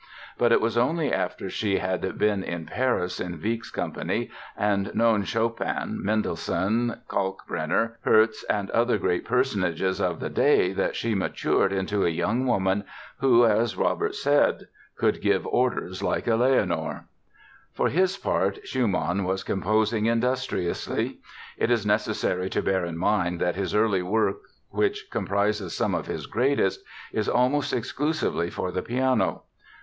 But it was only after she had been in Paris in Wieck's company and known Chopin, Mendelssohn, Kalkbrenner, Herz and other great personages of the day that she matured into a young woman who, as Robert said, "could give orders like a Leonore". For his part Schumann was composing industriously. It is necessary to bear in mind that his early work, which comprises some of his greatest, is almost exclusively for the piano.